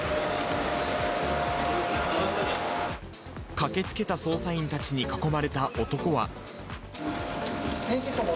駆けつけた捜査員たちに囲まれた男は。